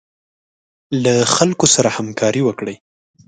له خلکو سره همکاري وکړئ.